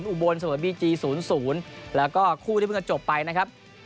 อุบลเสมอบีจี๐๐แล้วก็คู่ที่เพิ่งจะจบไปนะครับ